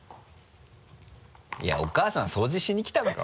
いやお母さん掃除しに来たのか？